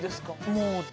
もう。